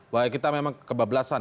bahwa kita memang kebablasan